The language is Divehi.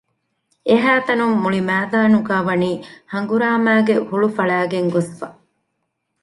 އެހައިތަނުން މުޅިމައިދާނުގައިވަނީ ހަނގުރާމައިގެ ހުޅުފަޅައިގެން ގޮސްފަ